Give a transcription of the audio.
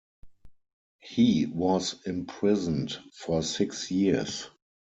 He was imprisoned for six years.